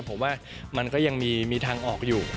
ผมว่ามันก็ยังมีทางออกอยู่